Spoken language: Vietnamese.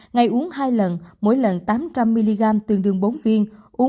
ngày uống hai lần mỗi lần tám trăm linh mg tương đương bốn viên